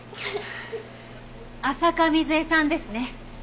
浅香水絵さんですね？